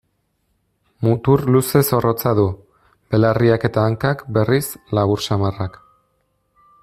Mutur luze zorrotza du, belarriak eta hankak, berriz, labur samarrak.